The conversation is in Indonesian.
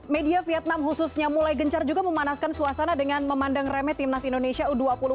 media vietnam khususnya mulai gencar juga memanaskan suasana dengan memandang remeh timnas indonesia u dua puluh